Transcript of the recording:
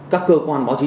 các cơ quan báo chí